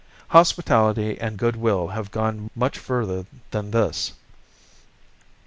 Hospitality and good will have gone much further than this.